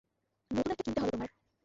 নতুন একটা কিনতে হবে তোমার।